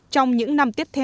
trong những năm tiếp theo